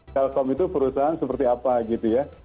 telkom itu perusahaan seperti apa gitu ya